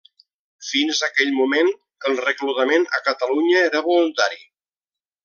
Fins aquell moment el reclutament a Catalunya era voluntari.